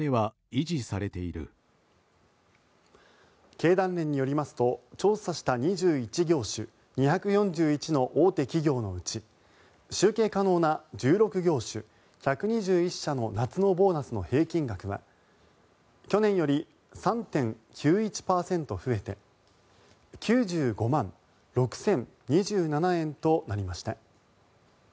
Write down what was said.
経団連によりますと調査した２１業種２４１の大手企業のうち集計可能な１６業種１２１社の夏のボーナスの平均額は去年より３．９１％増えて９５万６０２７円となりました。